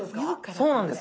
そうなんです。